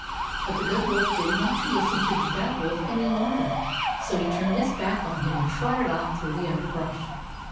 But the Good Wolf did n't want to listen to the Bad Wolf any longer, so he turned his back on him and trotted off through the underbrush.